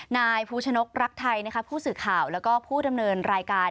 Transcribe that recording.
นายภูชนกรักไทยผู้สื่อข่าวแล้วก็ผู้ดำเนินรายการ